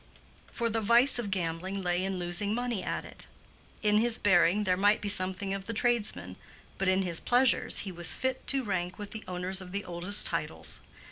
For the vice of gambling lay in losing money at it. In his bearing there might be something of the tradesman, but in his pleasures he was fit to rank with the owners of the oldest titles.